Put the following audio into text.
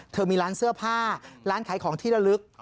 มีร้านเสื้อผ้าร้านขายของที่ระลึก